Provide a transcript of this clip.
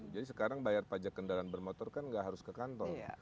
jadi sekarang bayar pajak kendaraan bermotor kan tidak harus ke kantor